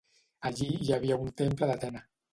Allí hi havia un temple d'Atena.